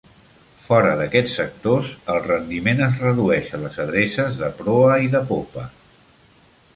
Fora d'aquests sectors, el rendiment es redueix a les adreces de proa i de popa.